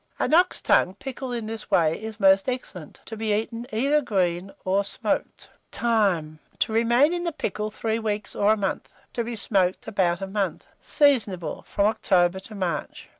An ox tongue pickled in this way is most excellent, to be eaten either green or smoked. Time. To remain in the pickle 3 weeks or a month; to be smoked about a month. Seasonable from October to March.